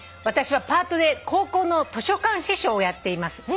私はパートで高校の図書館司書をやっています」